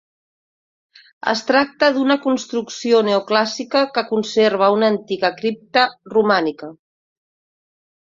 Es tracta d'una construcció neoclàssica que conserva una antiga cripta romànica.